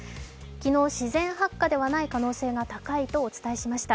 昨日、自然発火ではない可能性が高いとお伝えしました。